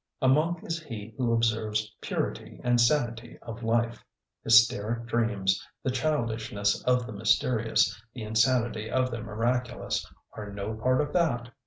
A monk is he who observes purity and sanity of life. Hysteric dreams, the childishness of the mysterious, the insanity of the miraculous, are no part of that.